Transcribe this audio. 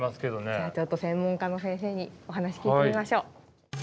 じゃあちょっと専門家の先生にお話聞いてみましょう。